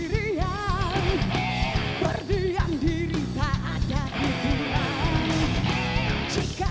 tantri negeriku yang ku cinta